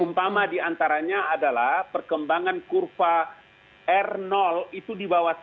umpama diantaranya adalah perkembangan kurva r itu di bawah satu